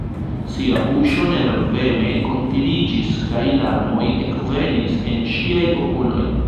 Sia buŝo nerveme kuntiriĝis kaj larmoj ekvenis en ŝiaj okuloj.